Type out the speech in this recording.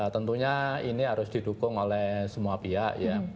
tentunya ini harus didukung oleh semua pihak ya